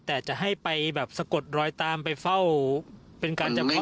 แต่จะให้ไปสะกดรอยตามไปเฝ้าเป็นการจับข้อมูล